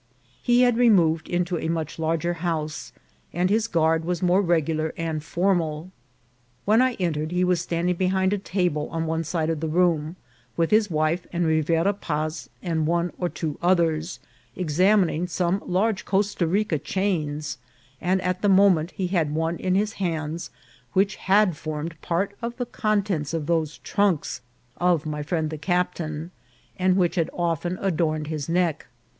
He had removed into a much larger house, and his guard was more regular and for mal. When I entered he was standing behind a table on one side of the room, with his wife, and Rivera Paz, and one or two others, examining some large Costa Rica chains, and at the moment he had one in his hands which had formed part of the contents of those trunks of my friend the captain, and which had often adorned his neck.